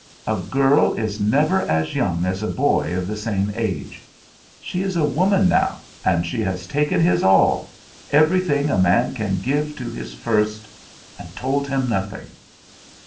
"A girl is never as young as a boy of the same age. She is a woman now, and she has taken his all everything a man can give to his first and told him nothing!"